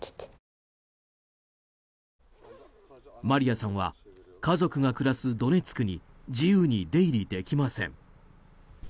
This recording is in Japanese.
マリアさんは家族が暮らすドネツクに自由に出入りできません。